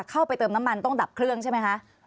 เข้าไปเติมน้ำมันต้องดับเครื่องใช่ไหมคะ